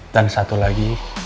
dan satu lagi